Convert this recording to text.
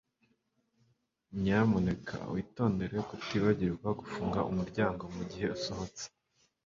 nyamuneka witondere kutibagirwa gufunga umuryango mugihe usohotse